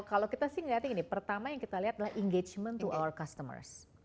kalau kita sih melihatnya gini pertama yang kita lihat adalah engagement to our customer